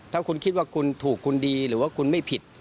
ถ้าคุณคิดว่าคุณถูกคุณดีหรือว่าคุณไม่ผิด